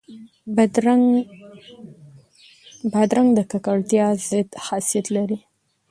بادرنګ د ککړتیا ضد خاصیت لري.